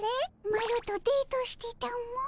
マロとデートしてたも。